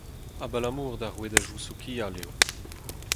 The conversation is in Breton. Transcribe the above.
Abalamour d'ar rouedadoù sokial eo.